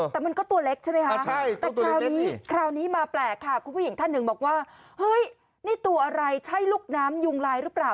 แต่มันก็ตัวเล็กใช่ไหมคะแต่คราวนี้คราวนี้มาแปลกค่ะคุณผู้หญิงท่านหนึ่งบอกว่าเฮ้ยนี่ตัวอะไรใช่ลูกน้ำยุงลายหรือเปล่า